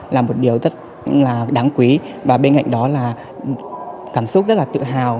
là một điều rất là đáng quý và bên cạnh đó là cảm xúc rất là tự hào